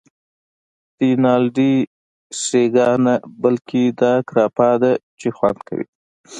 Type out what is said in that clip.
رینالډي: سټریګا نه، بلکې دا ګراپا ده چې خوند کوی.